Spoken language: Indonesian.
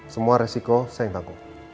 semua resiko saya yang tangguh